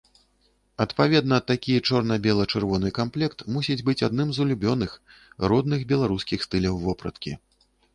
Адпаведна, такі чорна-бела-чырвоны камплект мусіць быць адным з улюбёных, родных беларускіх стыляў вопраткі.